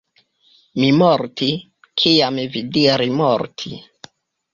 Mi morti, kiam vi diri morti.